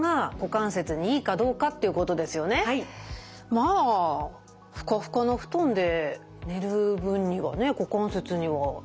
まあふかふかの布団で寝る分にはね股関節にはいいんじゃないでしょうか？